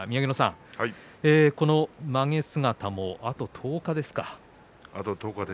まげ姿も、あと１０日ですね。